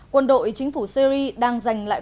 quân đội chính phủ syri đang giành lại